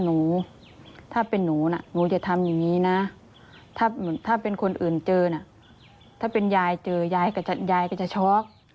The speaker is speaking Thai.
ถ้าเป็นหนูน่ะหนูจะทำอย่างนี้นะถ้าเป็นคนอื่นเจอน่ะถ้าเป็นยายเจอยายก็จะช็อก